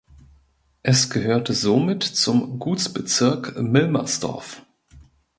Es gehörte somit zum Gutsbezirk Milmersdorf.